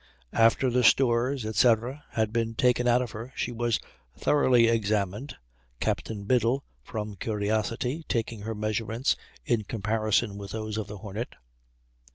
After the stores, etc., had been taken out of her, she was thoroughly examined (Captain Biddle, from curiosity, taking her measurements in comparison with those of the Hornet).